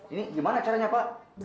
ini gimana caranya pak